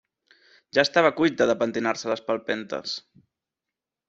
Ja estava cuita de pentinar-se a les palpentes.